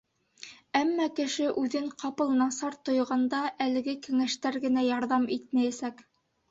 Әммә кеше үҙен ҡапыл насар тойғанда әлеге кәңәштәр генә ярҙам итмәйәсәк.